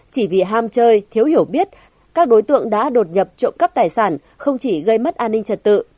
chỉ vì ham chơi thiếu hiểu biết các đối tượng đã đột nhập trộm cắp tài sản không chỉ gây mất an ninh trật tự